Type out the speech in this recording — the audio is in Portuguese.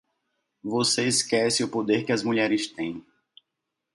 Você esquece o poder que as mulheres têm.